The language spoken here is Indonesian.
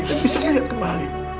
tapi saya lihat kembali